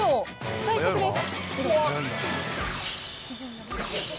最速です。